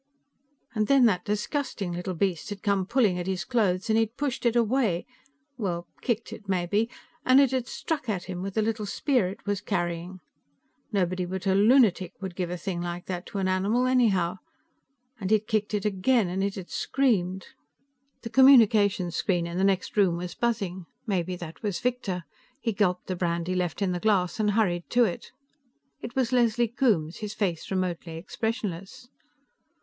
And then that disgusting little beast had come pulling at his clothes, and he had pushed it away well, kicked it maybe and it had struck at him with the little spear it was carrying. Nobody but a lunatic would give a thing like that to an animal anyhow. And he had kicked it again, and it had screamed.... The communication screen in the next room was buzzing. Maybe that was Victor. He gulped the brandy left in the glass and hurried to it. It was Leslie Coombes, his face remotely expressionless.